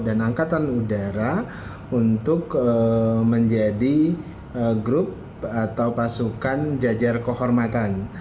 dan angkatan udara untuk menjadi grup atau pasukan jajar kehormatan